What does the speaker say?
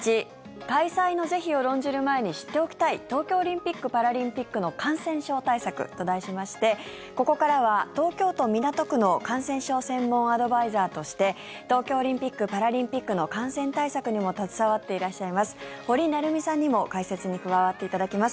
開催の是非を論じる前に知っておきたい東京オリンピック・パラリンピックの感染症対策と題しまして、ここからは東京都港区の感染症専門アドバイザーとして東京オリンピック・パラリンピックの感染対策にも携わっていらっしゃいます堀成美さんにも解説に加わっていただきます。